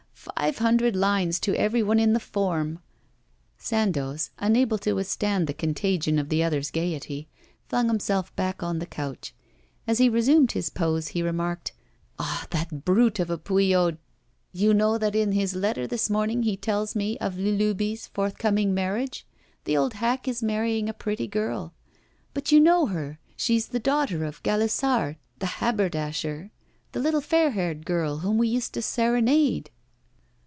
Five hundred lines to every one in the form.' Sandoz, unable to withstand the contagion of the other's gaiety, flung himself back on the couch. As he resumed his pose, he remarked, 'Ah, that brute of a Pouillaud. You know that in his letter this morning he tells me of Lalubie's forthcoming marriage. The old hack is marrying a pretty girl. But you know her, she's the daughter of Gallissard, the haberdasher the little fair haired girl whom we used to serenade!